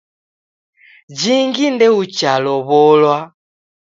Jingi ndeuchelow'olwa!